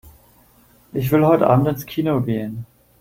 Ich will heute Abend ins Kino gehen.